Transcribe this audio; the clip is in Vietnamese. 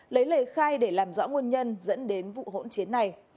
lấy lời khai để làm rõ nguồn nhân dẫn đến vụ hỗn chiến này